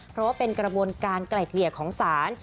เพราะว่าเป็นกระบวนการไกล่เกลี่ยของศาล